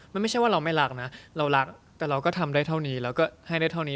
มันไม่ใช่ว่าเราไม่รักนะเรารักแต่เราก็ทำได้เท่านี้แล้วก็ให้ได้เท่านี้